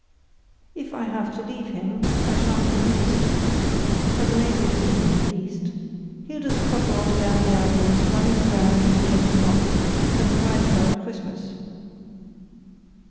"If I have to leave him I shan't be missed—as an able seaman, at least. He'll just potter on down the islands, running aground and kedging off, and arrive about Christmas."